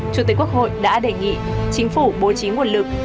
chủ tịch quốc hội đã đề nghị chính phủ bố trí nguồn lực